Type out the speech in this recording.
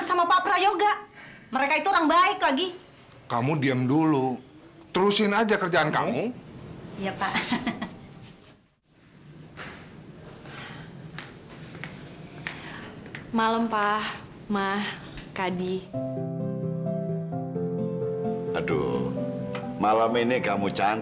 sampai jumpa di video selanjutnya